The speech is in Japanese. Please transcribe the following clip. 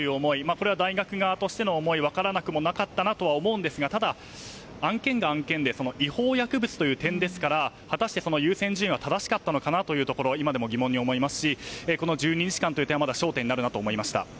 これは大学側としての思いは分からなくもなかったかと思うんですがただ、案件が案件で違法薬物という点ですから果たして、その優先順位は正しかったのかなというところは今でも疑問に思いますしこの１２日間という点はまだ焦点になるなと思いました。